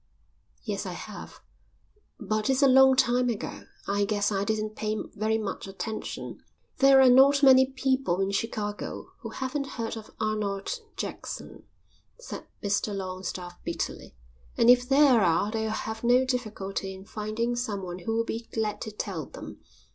"Yes, I have. But it's a long time ago. I guess I didn't pay very much attention." "There are not many people in Chicago who haven't heard of Arnold Jackson," said Mr Longstaffe bitterly, "and if there are they'll have no difficulty in finding someone who'll be glad to tell them.